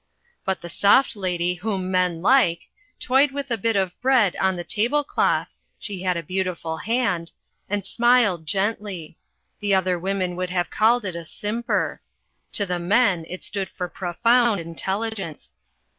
But the Soft Lady Whom Men Like toyed with a bit of bread on the tablecloth (she had a beautiful hand) and smiled gently. The other women would have called it a simper. To the men it stood for profound intelligence.